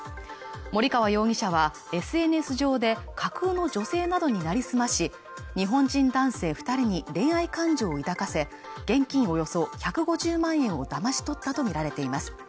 森川容疑者はＳＮＳ上で架空の女性などに成り済まし日本人男性二人に恋愛感情を抱かせ現金およそ１５０万円をだまし取ったと見られています